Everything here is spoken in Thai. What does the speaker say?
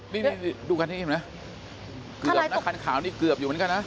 นี่นี่ดูกันให้อิ่มนะเกือบคันขาวนี้เกือบอยู่เหมือนกันนะ